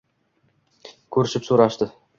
ko‘rishib-so‘rashdi.